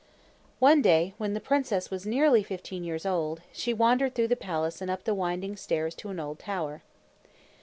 One day, when the princess was nearly fifteen years old, she wandered through the palace and up the winding stairs to an old tower.